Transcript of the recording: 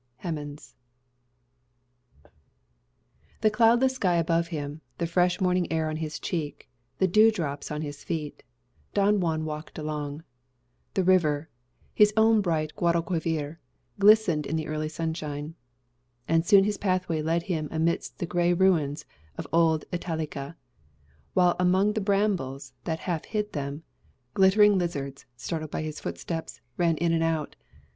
Hemans The cloudless sky above him, the fresh morning air on his cheek, the dew drops on his feet, Don Juan walked along. The river his own bright Guadalquivir glistened in the early sunshine; and soon his pathway led him amidst the gray ruins of old Italica, while among the brambles that half hid them, glittering lizards, startled by his footsteps, ran in and out.